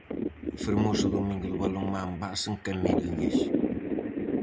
Fermoso domingo de balonmán base en Camariñas.